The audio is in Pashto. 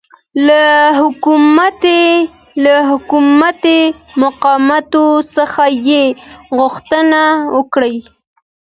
له حکومتي مقاماتو څخه یې غوښتنه وکړه